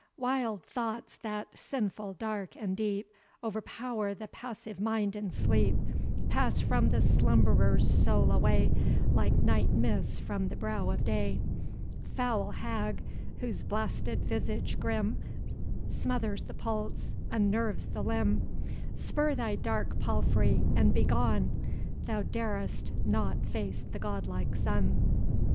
"Wild thoughts, that, sinful, dark, and deep, O'erpower the passive mind in sleep, Pass from the slumberer's soul away, Like night mists from the brow of day: Foul hag, whose blasted visage grim Smothers the pulse, unnerves the limb, Spur thy dark palfrey, and begone! Thou darest not face the godlike sun."